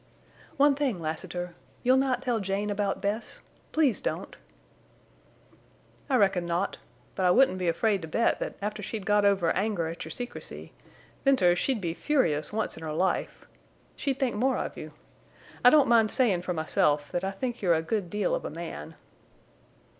"One thing, Lassiter. You'll not tell Jane about Bess? Please don't!" "I reckon not. But I wouldn't be afraid to bet that after she'd got over anger at your secrecy—Venters, she'd be furious once in her life!—she'd think more of you. I don't mind sayin' for myself that I think you're a good deal of a man."